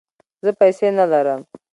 زه پیسې نه لرم